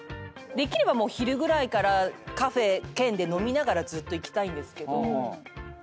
できればもう昼ぐらいからカフェ兼で飲みながらずっといきたいんですけど。